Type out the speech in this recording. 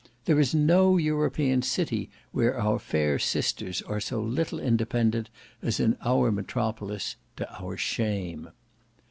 There is no European city where our fair sisters are so little independent as in our metropolis; to our shame.